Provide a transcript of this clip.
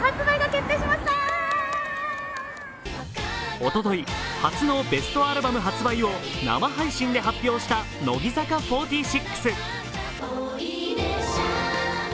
おととい、初のベストアルバム発売を生配信で発表した乃木坂４６。